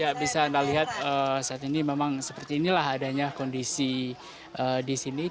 ya bisa anda lihat saat ini memang seperti inilah adanya kondisi di sini